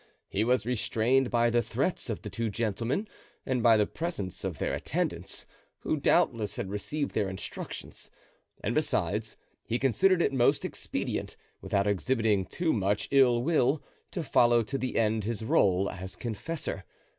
He was restrained by the threats of the two gentlemen and by the presence of their attendants, who doubtless had received their instructions. And besides, he considered it most expedient, without exhibiting too much ill will, to follow to the end his role as confessor.